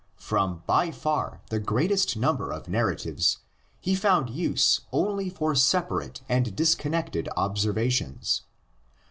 From by far the greatest number of narratives he found use only for separate and disconnected obser vations.